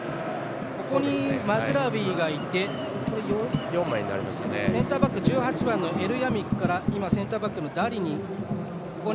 ここにマズラウイがいてセンターバック１８番エルヤミクからセンターバックのダリ。